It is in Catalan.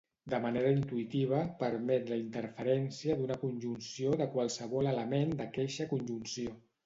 De manera intuïtiva, permet la interferència d'una conjunció de qualsevol element d'aqueixa conjunció.